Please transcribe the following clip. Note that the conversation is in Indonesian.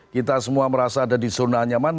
kita semua merasa ada di zona nyaman